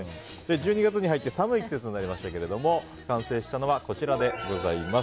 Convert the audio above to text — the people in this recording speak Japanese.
１２月に入って寒い季節になりましたが完成したのはこちらでございます。